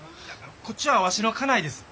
こっちはワシの家内です。